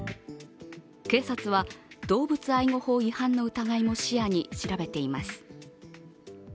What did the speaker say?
警察は動物愛護法違反の疑いも視野に調べています。